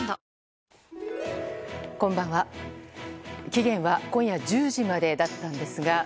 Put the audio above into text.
期限は今夜１０時までだったんですが。